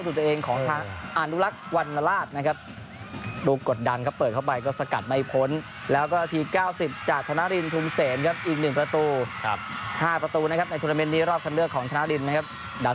สู่ตัวเองของอารุรักษ์วรรณราชนะครับ